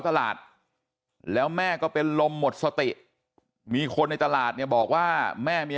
ตลาดแล้วแม่ก็เป็นลมหมดสติมีคนในตลาดเนี่ยบอกว่าแม่เมีย